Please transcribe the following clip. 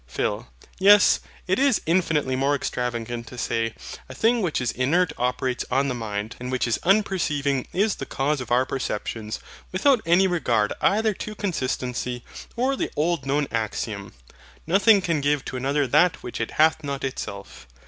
PHIL. Yes, it is infinitely more extravagant to say a thing which is inert operates on the mind, and which is unperceiving is the cause of our perceptions, without any regard either to consistency, or the old known axiom, NOTHING CAN GIVE TO ANOTHER THAT WHICH IT HATH NOT ITSELF.